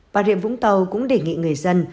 bà riệm vũng tàu cũng đề nghị người dân